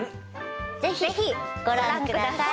ぜひご覧ください。